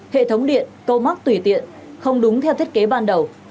hệ thống điện câu móc tùy tiện không đúng theo thiết kế ban đầu